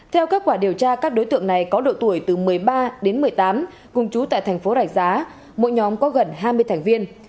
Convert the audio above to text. theo kết quả điều tra các đối tượng này có độ tuổi từ một mươi ba đến một mươi tám cùng chú tại thành phố rạch giá mỗi nhóm có gần hai mươi thành viên